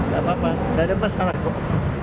gak apa apa gak ada masalah kok